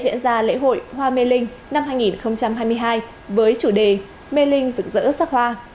diễn ra lễ hội hoa mê linh năm hai nghìn hai mươi hai với chủ đề mê linh rực rỡ sắc hoa